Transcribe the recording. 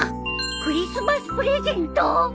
クリスマスプレゼント？